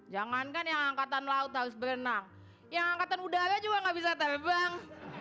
jangankan yang angkatan laut harus berenang yang angkatan udara juga nggak bisa terbang